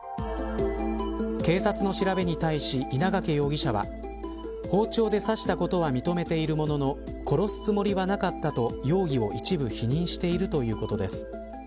警察の調べに対し、稲掛容疑者は包丁で刺したことは認めているものの殺すつもりはなかったと容疑を一部否認しているということです。